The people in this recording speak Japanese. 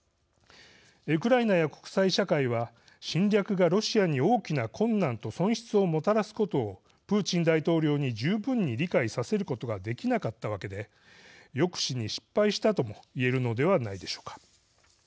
ウクライナや国際社会は侵略がロシアに大きな困難と損失をもたらすことをプーチン大統領に十分に理解させることができなかったわけで抑止に失敗したとも言えるのではないでしょうか。